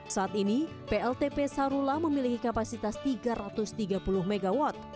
saat ini pltp sarula memiliki kapasitas tiga ratus tiga puluh mw